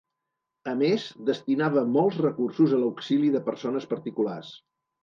A més, destinava molts recursos a l'auxili de persones particulars.